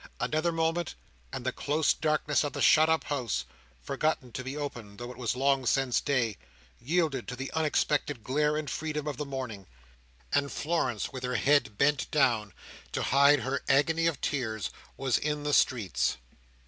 Another moment, and the close darkness of the shut up house (forgotten to be opened, though it was long since day) yielded to the unexpected glare and freedom of the morning; and Florence, with her head bent down to hide her agony of tears, was in the streets.